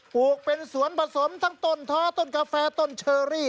ลูกเป็นสวนผสมทั้งต้นท้อต้นกาแฟต้นเชอรี่